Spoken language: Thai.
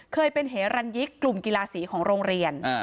เคยเป็นเหรันยิกกลุ่มกีฬาสีของโรงเรียน